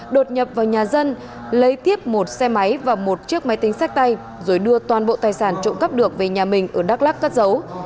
đột nhập vào nhà dân lấy tiếp một xe máy và một chiếc máy tính sách tay rồi đưa toàn bộ tài sản trộm cắp được về nhà mình ở đắk lắc cất giấu